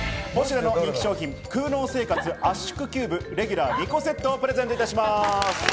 ポシュレの人気商品「空納生活圧縮キューブレギュラー２個セット」をプレゼントいたします。